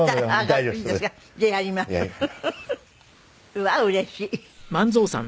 うわうれしい。